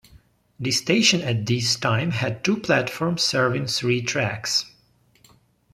The station at this time had two platforms serving three tracks.